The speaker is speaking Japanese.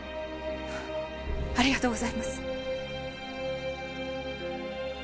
ありがとうございます。